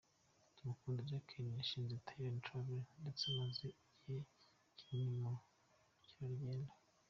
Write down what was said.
Tumukunde Jacqueline: Yashinze Jallyn Travels ndetse amaze igihe kinini mu bukerarugendo.